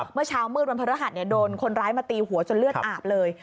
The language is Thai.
เมื่อเช้ามืดวันพระรหัสโดนคนร้ายมาตีหัวจนเลือดอาบเลย